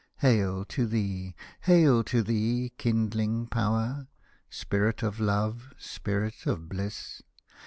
Hail to thee, hail to thee, kindhng power ! Spirit of Love, Spirit of Bliss